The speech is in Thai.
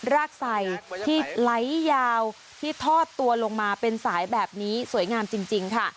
รากใส่ที่ไหลยาวที่ทอดตัวลงมาเป็นสายแบบนี้สวยงามจริงค่ะ